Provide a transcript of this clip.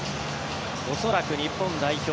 恐らく日本代表